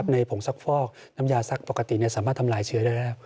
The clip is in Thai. ผงซักฟอกน้ำยาซักปกติสามารถทำลายเชื้อได้แล้ว